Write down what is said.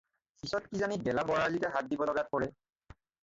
পিচত কিজানি গেলা বৰালীতে হাত দিব লগাত পৰে!